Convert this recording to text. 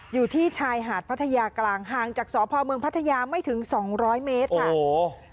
อยู่ที่ชายหาดพัทยากลางห่างจากศพพัทยาไม่ถึง๒๐๐เมตรค่ะ